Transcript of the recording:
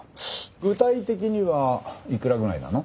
具体的にはいくらぐらいなの？